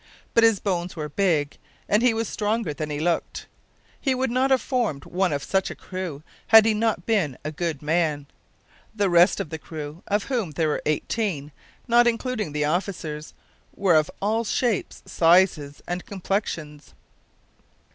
But his bones were big, and he was stronger than he looked. He would not have formed one of such a crew had he not been a good man. The rest of the crew, of whom there were eighteen, not including the officers, were of all shapes, sizes, and complexions.